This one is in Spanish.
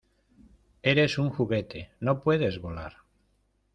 ¡ Eres un juguete! ¡ no puedes volar !